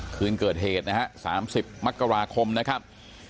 คืนเกิดเหตุนะฮะ๓๐มกราคมนะครับ